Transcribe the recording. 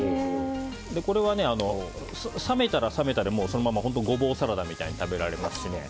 これは冷めたら冷めたでそのままゴボウサラダみたいに食べられますしね。